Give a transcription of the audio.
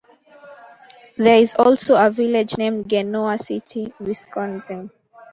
There is also a village named Genoa City, Wisconsin.